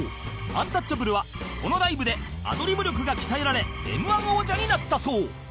アンタッチャブルはこのライブでアドリブ力が鍛えられ Ｍ−１ 王者になったそう